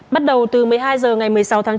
bắt đầu từ một mươi hai h ngày một mươi sáu tháng chín